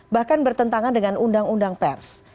bahkan bertentangan dengan undang undang pers